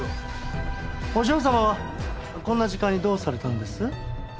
お嬢様はこんな時間にどうされたんです？